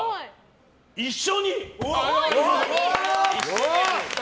一緒に！